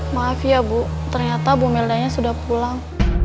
maaf ya bu ternyata bu meldanya sudah pulang